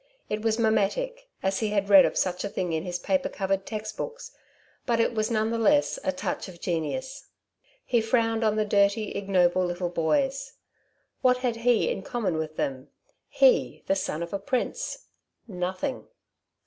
It was mimetic, as he had read of such a thing in his paper covered textbooks but it was none the less a touch of genius. He frowned on the dirty, ignoble little boys. What had he in common with them he, the son of a prince? Nothing.